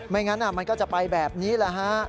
งั้นมันก็จะไปแบบนี้แหละฮะ